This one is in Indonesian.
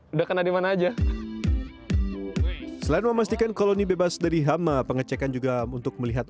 udah kena dimana aja selain memastikan koloni bebas dari hama pengecekan juga untuk melihat